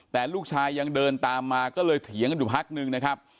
แต่ลูกชายยังเดินตามมาก็เลยเถียงกันอยู่พักนึงนะครับ